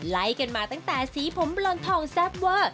ไล่กันมาตั้งแต่สีผมบลอนทองแซ่บเวอร์